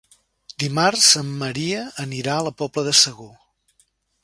Dimarts en Maria anirà a la Pobla de Segur.